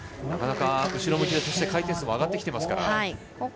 なかなか後ろ向きで回転数も上がってきていますから。